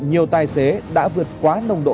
nhiều tài xế đã vượt quá nồng độ